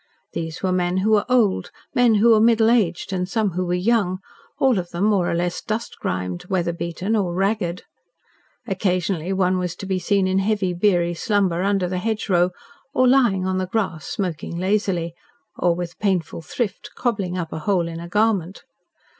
These were men who were old, men who were middle aged and some who were young, all of them more or less dust grimed, weather beaten, or ragged. Occasionally one was to be seen in heavy beery slumber under the hedgerow, or lying on the grass smoking lazily, or with painful thrift cobbling up a hole in a garment.